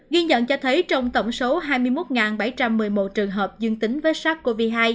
ghi nhận cho thấy trong tổng số hai mươi một bảy trăm một mươi một trường hợp dương tính với sars cov hai